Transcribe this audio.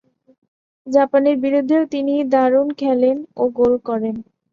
জাপানের বিরুদ্ধেও তিনি দারুণ খেলেন ও গোল করেন।